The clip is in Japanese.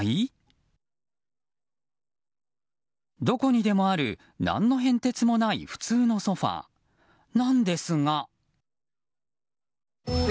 どこにでもある何の変哲もない普通のソファなんですが。